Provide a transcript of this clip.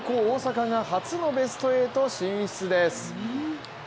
大阪が初のベスト８進出です。